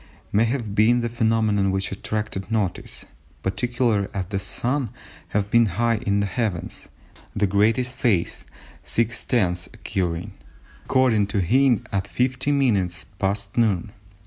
may have been the phenomenon which attracted notice, particularly as the Sun would have been high in the heavens, the greatest phase (6/10ths) occurring, according to Hind, at 50 minutes past noon.